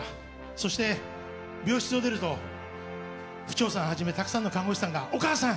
そして、病室を出ると婦長さんはじめたくさんの看護師さんがお母さん！